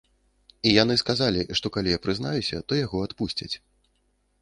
І яны сказалі, што калі я прызнаюся, то яго адпусцяць.